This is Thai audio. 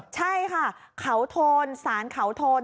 ใช้ขาวโทนสารขาวโทน